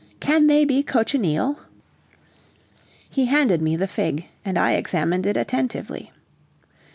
Can they be cochineal?" He handed me the fig, and I examined it attentively.